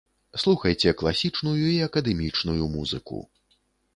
Слухайце класічную і акадэмічную музыку.